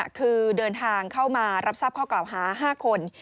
คือเดินทางเข้ามารับทราบข้อกล่าวหา๕คน